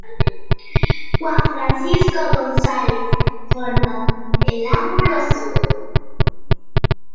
Juan Francisco González forma el ángulo sur.